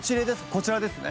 こちらですね。